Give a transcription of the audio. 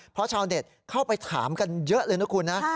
เพราะชาวเน็ตเข้าไปถามกันเยอะเลยนะคุณนะ